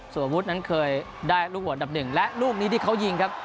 ส่วนอาวุธนั้นเคยได้ลูกหัวอันดับหนึ่งและลูกนี้ที่เขายิงครับ